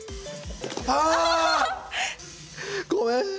あ！ごめん。